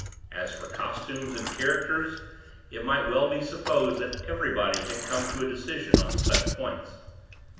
As for costumes and characters, it might well be supposed that everybody had come to a decision on such points.